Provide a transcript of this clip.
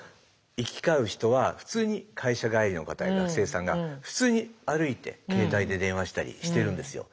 行き交う人は普通に会社帰りの方や学生さんが普通に歩いて携帯で電話したりしてるんですよ。